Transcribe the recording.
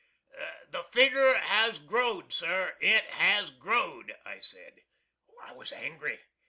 "The figger has growd, sir it has growd," I said. I was angry.